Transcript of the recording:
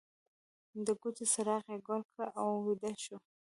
د کوټې څراغ یې ګل کړ او ویده شو